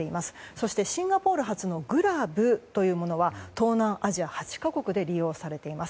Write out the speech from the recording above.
そしてシンガポール発のグラブというものは東南アジア８か国で利用されています。